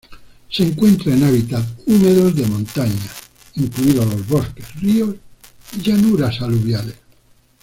Se encuentra en hábitat húmedos de montaña, incluidos los bosques, ríos y llanuras aluviales.